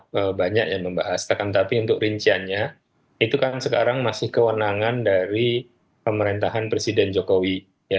bahwa banyak yang membahas akan tapi untuk rinciannya itu kan sekarang masih kewenangan dari pemerintahan presiden jokowi